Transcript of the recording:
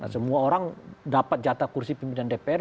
semua orang dapat jatah kursi pimpinan dpr